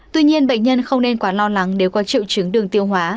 tuy nhiên bệnh nhân không nên quá lo lắng nếu có triệu chứng đường tiêu hóa